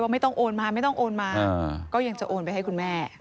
ไม่ต้องโอนมาไม่ต้องโอนมาก็ยังจะโอนไปให้คุณแม่